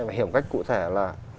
và hiểu cách cụ thể là